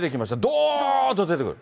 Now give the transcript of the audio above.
どーっと出てくる。